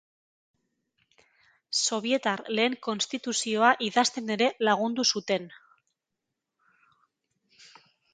Sobietar lehen Konstituzioa idazten ere lagundu zuten.